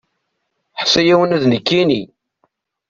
Ḥṣu yiwen ad nekini.